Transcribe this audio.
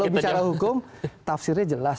kalau bicara hukum tafsirnya jelas